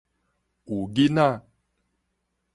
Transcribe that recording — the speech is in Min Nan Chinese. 有囡仔